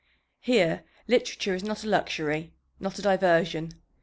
Here literature is not a luxury, not a diversion.